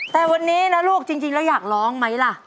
แต่วันนี้นะลูกจริงแล้วอยากร้องไหมล่ะ